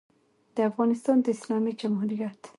د افغانستان د اسلامي جمهوریت